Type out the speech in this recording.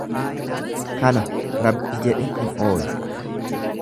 Kana Rabbi jedhe hin oolu.